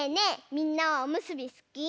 みんなはおむすびすき？